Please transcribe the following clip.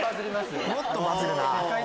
もっとバズるな。